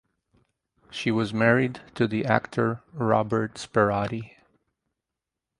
She was married to the actor Robert Sperati.